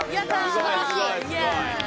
すばらしい。